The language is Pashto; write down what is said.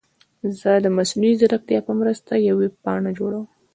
زه د مصنوعي ځیرکتیا په مرسته یوه ویب پاڼه جوړوم.